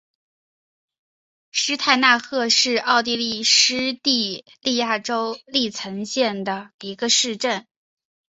施泰纳赫是奥地利施蒂利亚州利岑县的一个市镇。